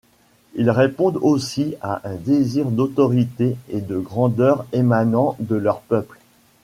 Ils répondent aussi à un désir d'autorité et de grandeur émanant de leurs peuples.